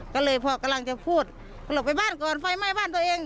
ก็ยังจะพูดก็หลอกไปบ้านก่อนไฟไหม้บ้านตัวเอง